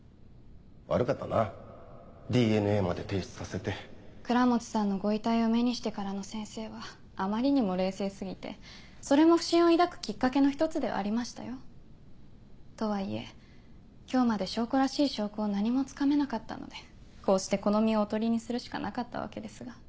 悪かったなＤＮＡまで提出させて倉持さんのご遺体を目にしてからの先生はあまりにも冷静過ぎてそれも不審を抱くきっかけの一つではありましたよ。とはいえ今日まで証拠らしい証拠を何もつかめなかったのでこうしてこの身を囮にするしかなかったわけですが。